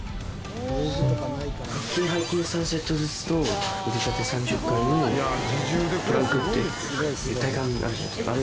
腹筋背筋３セットずつと腕立て３０回にプランクっていう体幹あるじゃないですか。